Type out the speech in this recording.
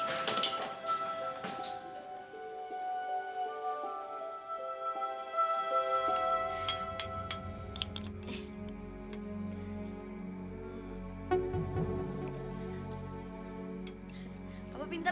berdiri di bawah kanan